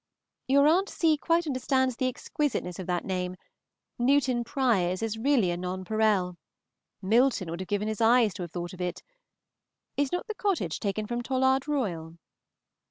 Your Aunt C. quite understands the exquisiteness of that name, Newton Priors is really a nonpareil. Milton would have given his eyes to have thought of it. Is not the cottage taken from Tollard Royal?